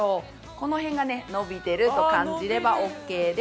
この辺が伸びてると感じればオーケーです。